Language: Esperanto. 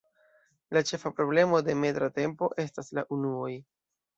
La ĉefa problemo de metra tempo estas la unuoj.